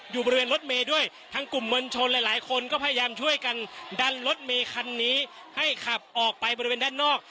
อยู่บริเวณรถเมย์ด้วยทั้งกลุ่มมวลชนหลายหลายคนก็พยายามช่วยกันดันรถเมคันนี้ให้ขับออกไปบริเวณด้านนอก